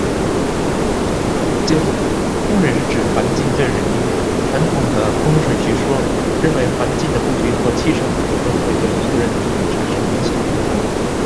最后，风水是指环境对人的影响。传统的风水学说认为环境的布局和气场的流动会对个人的命运产生影响。但是，现代科学认为，环境的影响是相对较小的。个人的命运往往更多的是由自己的努力和选择所决定的。